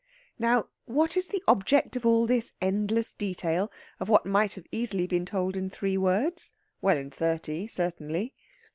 Now, what is the object of all this endless detail of what might have been easily told in three words well, in thirty, certainly?